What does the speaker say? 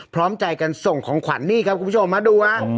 พร้อมใจกันส่งของขวัญนี่ครับคุณผู้ชมมาดูฮะ